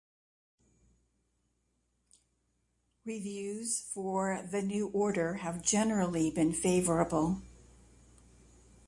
Reviews for "The New Order" have generally been favorable.